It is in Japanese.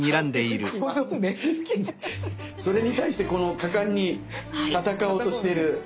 それに対してこの果敢に戦おうとしてる。